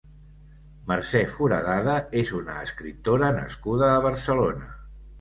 Mercè Foradada és una escriptora nascuda a Barcelona.